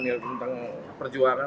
nilai tentang perjuangan